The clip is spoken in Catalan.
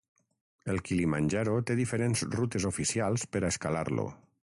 El Kilimanjaro té diferents rutes oficials per a escalar-lo.